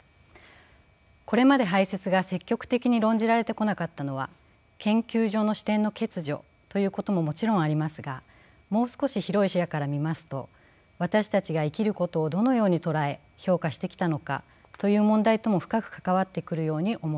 これまで排泄が積極的に論じられてこなかったのは研究上の視点の欠如ということももちろんありますがもう少し広い視野から見ますと私たちが生きることをどのように捉え評価してきたのかという問題とも深く関わってくるように思います。